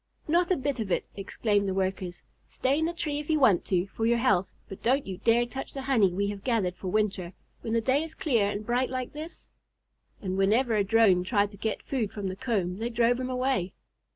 "Not a bit of it!" exclaimed the Workers. "Stay in the tree if you want to for your health, but don't you dare touch the honey we have gathered for winter, when the day is clear and bright like this." And whenever a Drone tried to get food from the comb they drove him away.